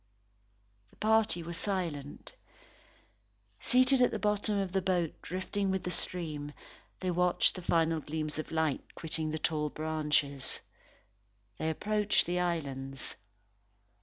The party were silent. Seated at the bottom of the boat drifting with the stream, they watched the final gleams of light quitting the tall branches. They approached the islands.